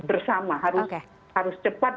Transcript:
bersama harus cepat